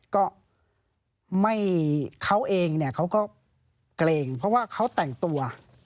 ก็ไม่เขาเองเนี่ยเขาก็เกรงเพราะว่าเขาแต่งตัว